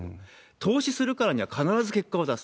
投資するからには必ず結果を出す。